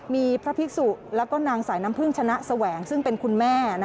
มีพระภิกษุแล้วก็นางสายน้ำพึ่งชนะแสวงซึ่งเป็นคุณแม่